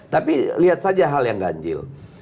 tapi lihat saja hal yang ganjil